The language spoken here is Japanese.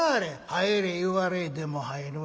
「入れ言われえでも入るわい。